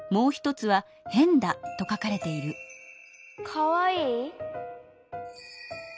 「かわいい」？